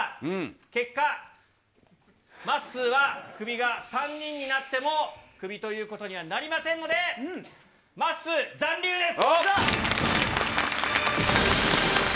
結果、まっすーはクビが３人になっても、クビということにはなりませんので、まっすー、残留です！